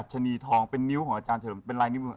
ชนีทองเป็นนิ้วของอาจารย์เฉลิมเป็นลายนิ้วมือ